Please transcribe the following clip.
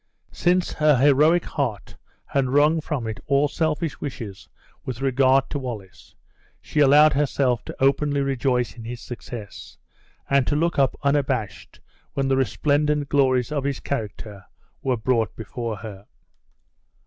Since her heroic heart had wrung from it all selfish wishes with regard to Wallace, she allowed herself to openly rejoice in his success, and to look up unabashed when the resplendent glories of his character were brought before her.